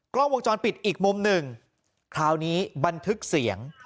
กล้องวงจรปิดอีกมุมหนึ่งคราวนี้บันทึกเสียง